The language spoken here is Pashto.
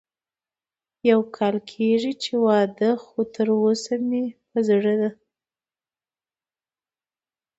يو کال کېږي چې واده خو تر اوسه مې په زړه ده